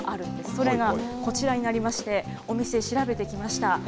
それがこちらになりまして、お店調べてきました。